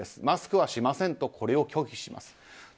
マスクはしませんとこれを拒否します。